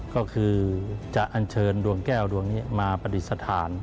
ก็คือจะอันเชิญดวงแก้วดวงนี้มาปฏิสถาน